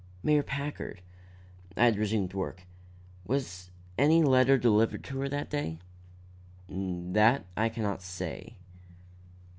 "Mayor Packard," I had resumed work, "was any letter delivered to her that day?" "That I can not say."